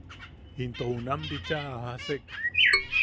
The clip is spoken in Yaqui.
Into junam bicha a jajasek.